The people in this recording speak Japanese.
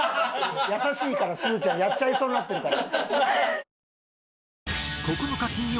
優しいからすずちゃんやっちゃいそうになってるから。